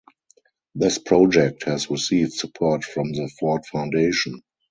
This project has received support from the Ford Foundation.